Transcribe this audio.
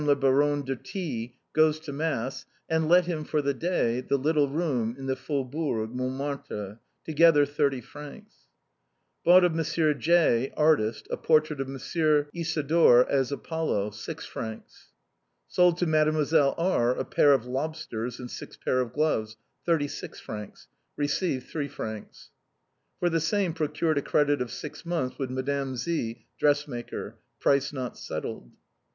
la Bar onne de T goes to mass, and let to him for the day the little room in the Faubourg Montmartre: together 30 frs, " Bought of M. J , artist, a portait of M. Isidore as Apollo. 6 fr. " Sold to Mdlle. R a pair of lobsters and six pair of gloves. 36 fr. Received 2 fr. 75 c. " For the same, procured a credit of six months with Mme. Z , dress maker. (Price not settled.)